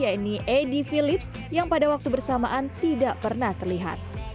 yaitu edi philips yang pada waktu bersamaan tidak pernah terlihat